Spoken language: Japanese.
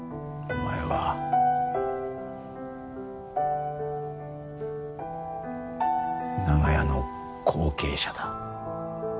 お前は長屋の後継者だ。